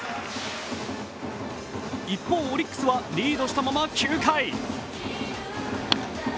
一方、オリックスはリードしたまま９回。